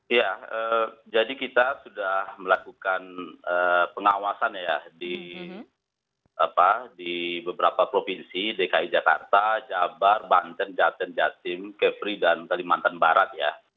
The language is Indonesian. iya jadi kita sudah melakukan pengawasan ya di beberapa provinsi dki jakarta jabar banten jateng jatim kepri dan kalimantan barat ya